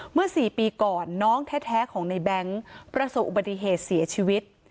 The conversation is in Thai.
เมื่อ๔ปีก่อนน้องแท้ของในแบงค์ประสบอุบัติเหตุเสียชีวิต